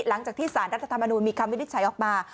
หลังจากที่สารรัฐธรรมนูลมีคำวินิจฉัยออกมา